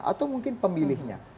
atau mungkin pemilihnya